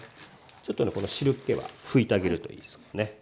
ちょっとこの汁けは拭いてあげるといいですね。